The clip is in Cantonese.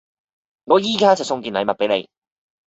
我依家就送件禮物畀你